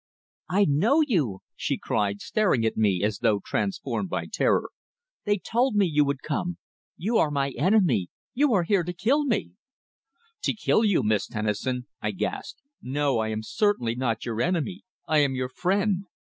"I know you!" she cried, staring at me as though transformed by terror. "They told me you would come! You are my enemy you are here to kill me!" "To kill you, Miss Tennison!" I gasped. "No, I am certainly not your enemy. I am your friend!"